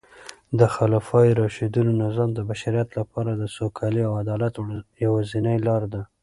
د خلفای راشدینو نظام د بشریت لپاره د سوکالۍ او عدالت یوازینۍ لاره ده.